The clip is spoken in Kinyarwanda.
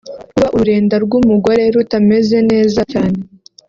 Kuba ururenda rw’umugore rutameze neza cyane